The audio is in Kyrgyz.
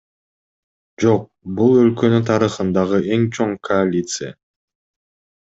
Жок, бул өлкөнүн тарыхындагы эң чоң коалиция.